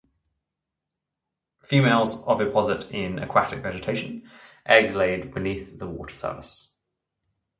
Females oviposit in aquatic vegetation, eggs laid beneath the water surface.